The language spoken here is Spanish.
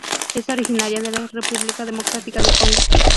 Es originaria de República Democrática del Congo.